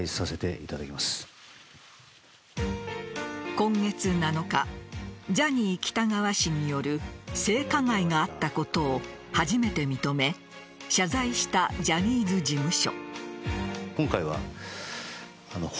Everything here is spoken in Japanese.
今月７日ジャニー喜多川氏による性加害があったことを初めて認め謝罪したジャニーズ事務所。